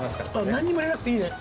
なんにも入れなくていいね。